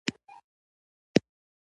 ویده انسان د خوب پر وخت بې وسه وي